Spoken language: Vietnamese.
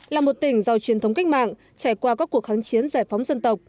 là một tỉnh giàu truyền thống cách mạng trải qua các cuộc kháng chiến giải phóng dân tộc